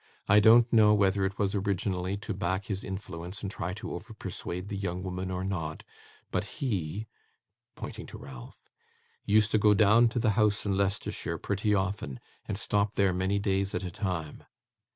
I don't know whether it was, originally, to back his influence and try to over persuade the young woman or not, but he,' pointing, to Ralph, 'used to go down to the house in Leicestershire pretty often, and stop there many days at a time.